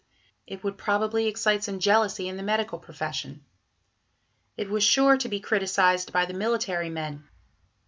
It would probably excite some jealousy in the medical profession; it was sure to be criticized by the military men.